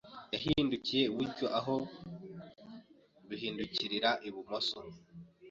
Yahindukiye iburyo aho guhindukirira ibumoso.